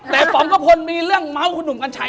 แต่ป๋อมก็มีเรื่องมั๊วคุณหนุ่มกัญชัย